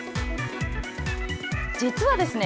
実はですね